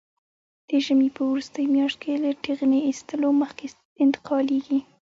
د ژمي په وروستۍ میاشت کې له ټېغنې ایستلو مخکې انتقالېږي.